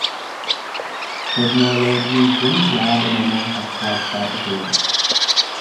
Teknoolojiin kun yaada namaa fakkachaa dhufeera.